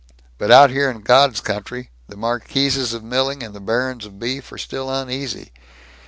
But out here in God's Country, the marquises of milling and the barons of beef are still uneasy.